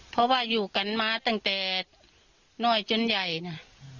เพราะว่าอยู่กันมาตั้งแต่น้อยจนใหญ่นะ